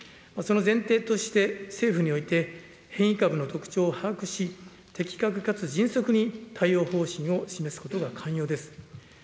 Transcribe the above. その前提として、政府において変異株の特徴を把握し、的確かつ迅速に対応方針を示すことが肝要です。